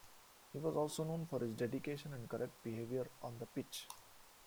He was also known for his dedication and correct behaviour on the pitch.